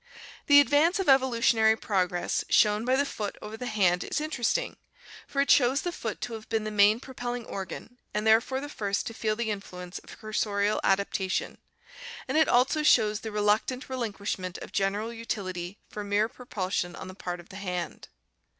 The advance of evolutionary progress shown by the foot over the hand is interesting, for it shows the foot to have been the main propelling organ and therefore the first to feel the influence of cursorial adaptation and it also shows the reluctant relinquish ment of general utility for mere propulsion on the part of the hand.